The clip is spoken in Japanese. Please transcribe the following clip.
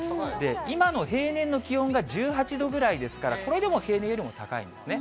今の平年の気温が１８度ぐらいですから、これでも平年よりも高いんですね。